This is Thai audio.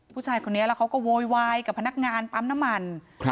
ผู้ชายคนนี้แล้วเขาก็โวยวายกับพนักงานปั๊มน้ำมัน